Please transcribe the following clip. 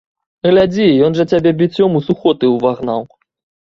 Глядзі, ён жа цябе біццём у сухоты ўвагнаў!